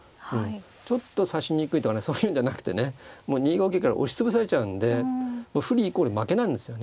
ちょっと指しにくいとかねそういうんじゃなくてねもう２五桂から押し潰されちゃうんで不利イコール負けなんですよね。